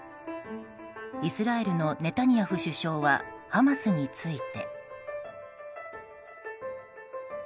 イスラエルのネタニヤフ首相はハマスについて。